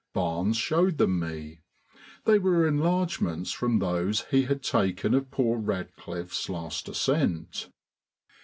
Barnes showed them me. They were enlargements from those he had taken of poor Radcliffe's last ascent.